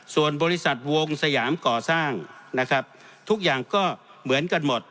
ส่วนบริษัทวงสยามก่อสร้างนะครับทุกอย่างก็เหมือนกันหมด